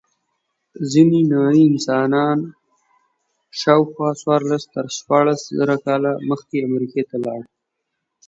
ځینې نوعې انسان شاوخوا څوارلس تر شپاړس زره کاله مخکې امریکا ته ولاړ.